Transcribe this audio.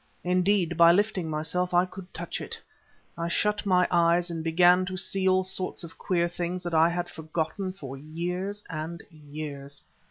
Indeed, by lifting myself I could touch it. I shut my eyes and began to see all sorts of queer things that I had forgotten for years and years.